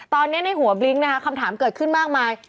ตอนนี้ในหัวบลิ้งนะคะคำถามเกิดขึ้นมากมาย